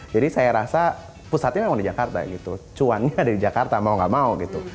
jadi saya rasa pusatnya memang di jakarta cuannya ada di jakarta mau gak mau